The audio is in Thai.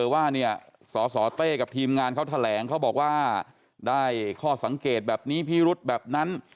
ว่าเนี่ยสสเต้กับทีมงานเขาแถลงเขาบอกว่าได้ข้อสังเกตแบบนี้พิรุษแบบนั้น